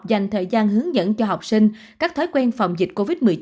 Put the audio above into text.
dành thời gian hướng dẫn cho học sinh các thói quen phòng dịch covid một mươi chín